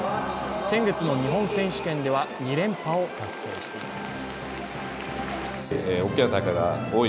先月の日本選手権では２連覇を達成しています。